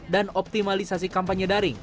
dan optimalisasi kampanye daring